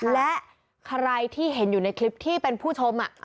และใครที่เห็นอยู่ในคลิปที่เป็นผู้ชม